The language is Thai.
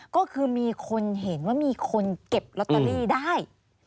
ก็คือมีคนเห็นว่ามีคนเก็บลอตเตอรี่ได้